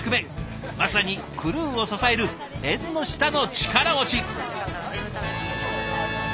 まさにクルーを支える縁の下の力持ち。